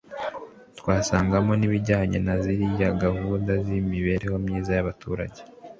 twasangamo n’ibijyanye na ziriya gahunda z’imibereho myiza y’abaturage